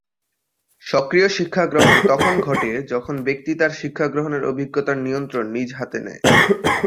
সক্রিয় শিক্ষা গ্রহণ তখন ঘটে যখন ব্যক্তি তার শিক্ষা গ্রহণের অভিজ্ঞতার নিয়ন্ত্রণ নিজ হাতে নেয়।